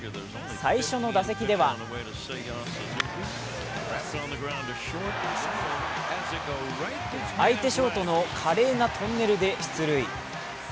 最初の打席では相手ショートの華麗なトンネルで出塁。